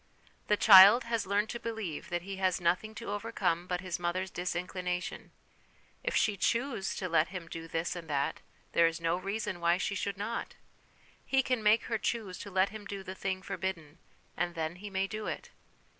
The child has learned to believe that he has nothing to overcome but his mother's disinclination; if she choose to let him do this and that, there is no reason why she should not ; he can make her choose to let him do the thing forbidden, and then he may do it.